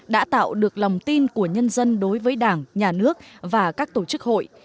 đã tạo được lòng tin của nhân dân đối với đảng nhà nước và các tổ chức hội